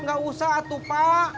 gak usah tuh pak